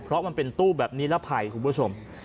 เพราะมันเป็นตู้แบบนี้และภัยคุณผู้ชม